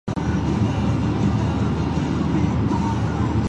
It also offers strategies for reducing loneliness and fostering social connections.